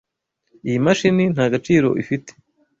Iyi mashini nta gaciro ifite.